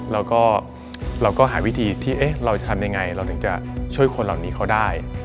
แล้วก็เราก็หาวิธีที่เราจะทำยังไงเราถึงจะช่วยคนเหล่านี้เขาได้